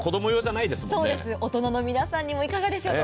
大人の皆さんにもいかがでしょうか。